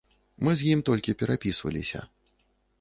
Мы з ім толькі перапісваліся.